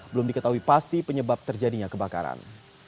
belum diketahui pasti penyebab terjadinya kebakaran